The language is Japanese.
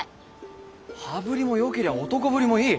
羽振りもよけりゃ男ぶりもいい。